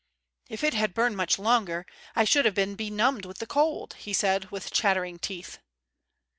"If it had burned much longer, I should have been benumbed with the cold," he said, with chattering teeth.